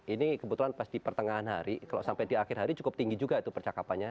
ini kebetulan pas di pertengahan hari kalau sampai di akhir hari cukup tinggi juga itu percakapannya